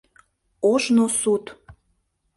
Ожно сут